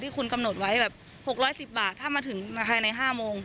คุณกำหนดไว้แบบ๖๑๐บาทถ้ามาถึงภายใน๕โมง